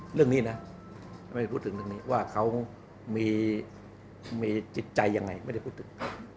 เรื่องนี้นะไม่ได้พูดถึงเรื่องนี้ว่าเขามีจิตใจยังไงไม่ได้พูดถึง